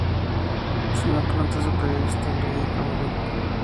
En una planta superior se instaló un cabaret.